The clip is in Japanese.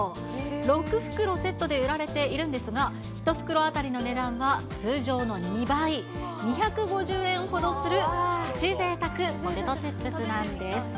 ６袋セットで売られているんですが、１袋当たりの値段は通常の２倍、２５０円ほどするプチぜいたくポテトチップスなんです。